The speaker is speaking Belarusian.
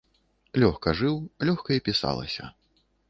Лёгка жыў, лёгка і пісалася.